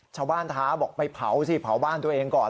ท้าบอกไปเผาสิเผาบ้านตัวเองก่อน